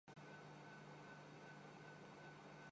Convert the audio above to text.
جدید ریاست ماضی کے مقابلے میں کہیں زیادہ منظم ہے۔